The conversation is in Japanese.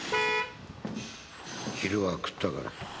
昼は食ったから。